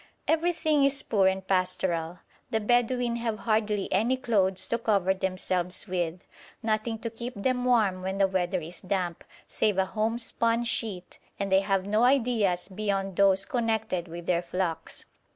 Everything is poor and pastoral. The Bedouin have hardly any clothes to cover themselves with, nothing to keep them warm when the weather is damp, save a home spun sheet, and they have no ideas beyond those connected with their flocks.